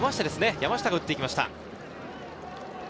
山下が打っていきました。